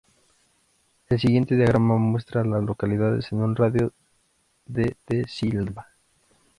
El siguiente diagrama muestra a las localidades en un radio de de Sylva.